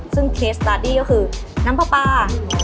ซึ่งเคสตัดดี้ก็คือน้ำปลา